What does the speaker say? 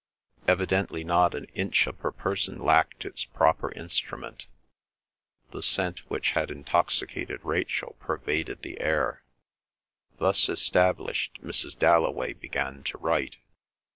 Evidently not an inch of her person lacked its proper instrument. The scent which had intoxicated Rachel pervaded the air. Thus established, Mrs. Dalloway began to write.